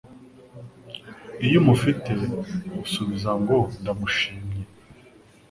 Iyo umufite usubiza ngo Ndamushimye